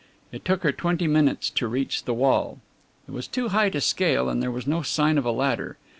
It took her twenty minutes to reach the wall. It was too high to scale and there was no sign of a ladder.